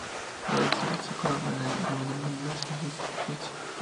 A veces se decoran con almendras laminadas en su superficie.